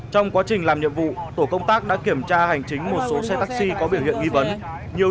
trong quá trình làm nhiệm vụ tổ công tác đã kiểm tra hành chính một số xe taxi có biểu hiện nghi vấn